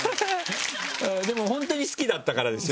でも本当に好きだったからですよね